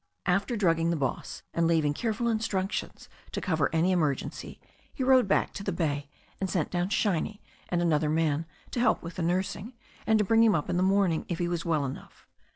After drugging the boss and leaving careful instructions to cover any emergency, he rode back to the bay, and sent down Shiny and another man to help with the nursing, and to bring him up in the morning if he was well enough.